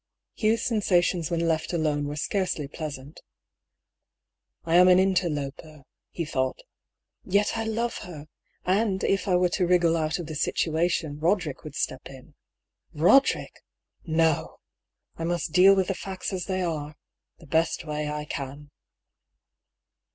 Hugh's sensations when left alone were scarcely pleasant. " I am an interloper," he thought. " Yet I love her ! and if I were to wriggle out of the situation, Roderick would step in. Roderick ! No. I must deal with the facts as they are, the best way I can."